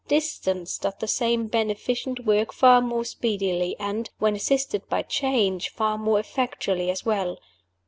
Distance does the same beneficent work far more speedily, and (when assisted by Change) far more effectually as well.